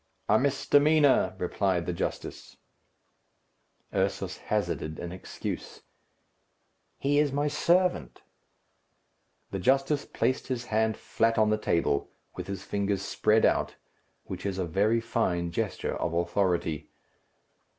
"A misdemeanour!" replied the justice. Ursus hazarded an excuse, "He is my servant." The justice placed his hand flat on the table, with his fingers spread out, which is a very fine gesture of authority.